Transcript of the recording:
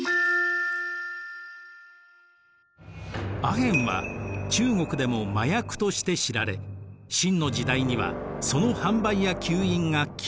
アヘンは中国でも麻薬として知られ清の時代にはその販売や吸引が禁じられていました。